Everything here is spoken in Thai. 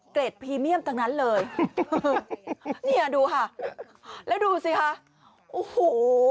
เกรดพรีเมียมทั้งนั้นเลยเนี่ยดูค่ะแล้วดูสิคะโอ้โห